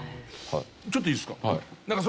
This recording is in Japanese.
ちょっといいですか？